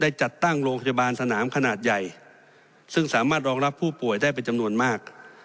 จัดตั้งโรงพยาบาลสนามขนาดใหญ่ซึ่งสามารถรองรับผู้ป่วยได้เป็นจำนวนมาก